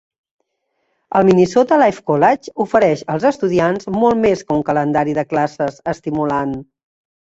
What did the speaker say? El Minnesota Life College ofereix als estudiants molt més que un calendari de classes estimulant.